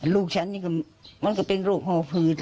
ลูกฉันนี่ก็มันก็เป็นโรคห่อผืด